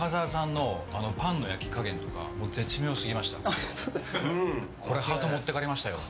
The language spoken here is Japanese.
ありがとうございます。